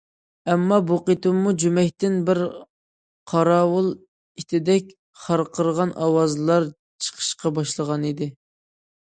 ئەمما بۇ قېتىممۇ جۈمەكتىن بىر قاراۋۇل ئىتىدەك خارقىرىغان ئاۋازلار چىقىشقا باشلىغان ئىدى.